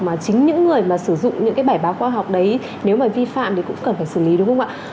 mà chính những người mà sử dụng những cái bài báo khoa học đấy nếu mà vi phạm thì cũng cần phải xử lý đúng không ạ